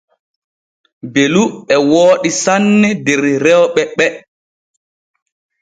Belu e wooɗi sanne der rewɓe ɓe.